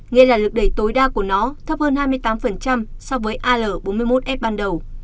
nghĩa là lực đẩy tối đa của nó thấp hơn hai mươi tám so với al bốn mươi một f ban đầu